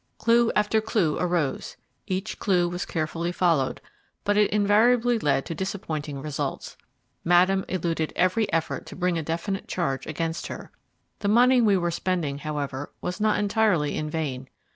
Clue after clue arose: each clue was carefully followed, but it invariably led to disappointing results. Madame eluded every effort to bring a definite charge against her. The money we were spending, however, was not entirely in vain.